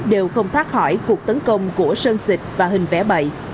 đều không thoát khỏi cuộc tấn công của sơn xịt và hình vẽ bậy